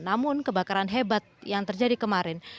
namun kebakaran hebat yang terjadi kemarin